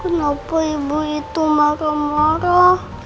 kenapa ibu itu marah marah